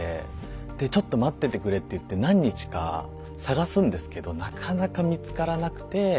で「ちょっと待っててくれ」っていって何日か探すんですけどなかなか見つからなくて。